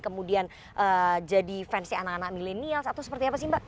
kemudian jadi fansnya anak anak milenials atau seperti apa sih mbak